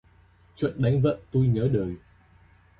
Chuyện đánh vợ tui nhớ đời